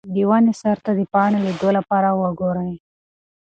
د ونې سر ته د پاڼې لیدو لپاره وګورئ.